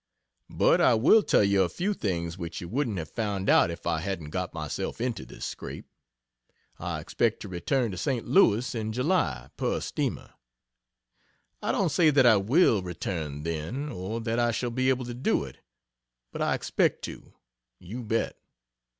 But I will tell you a few things which you wouldn't have found out if I hadn't got myself into this scrape. I expect to return to St. Louis in July per steamer. I don't say that I will return then, or that I shall be able to do it but I expect to you bet.